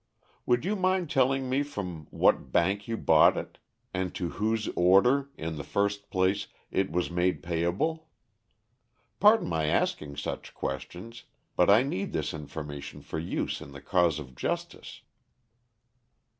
"Would you mind telling me from what bank you bought it, and to whose order, in the first place, it was made payable? Pardon my asking such questions, but I need this information for use in the cause of justice."